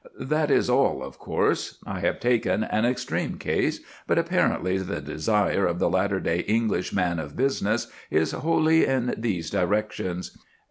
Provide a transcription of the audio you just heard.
That is all. Of course, I have taken an extreme case, but apparently the desire of the latter day English man of business is wholly in these directions.